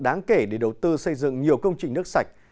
đáng kể để đầu tư xây dựng nhiều công trình nước sạch